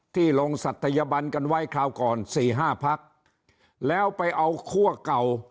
ที่ลงศัตยบันกันไว้คราวก่อนสี่ห้าพักแล้วไปเอาคั่วเก่า